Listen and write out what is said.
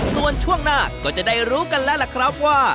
ส่วนช่วงหน้าก็จะได้รู้กันแล้วล่ะครับว่า